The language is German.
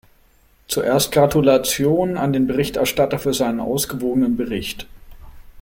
Zuerst Gratulation an den Berichterstatter für seinen ausgewogenen Bericht.